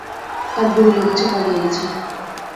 তার গুলি লেগেছে, পালিয়ে গেছে।